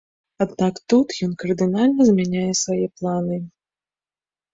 Аднак тут ён кардынальна змяняе свае планы.